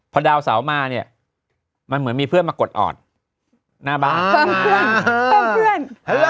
พอดาวเสามาเนี่ยมันเหมือนมีเพื่อนมากดออดหน้าบ้านเพื่อน